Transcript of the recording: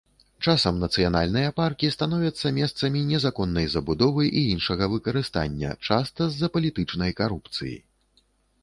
Часам нацыянальныя паркі становяцца месцам незаконнай забудовы і іншага выкарыстання, часта з-за палітычнай карупцыі.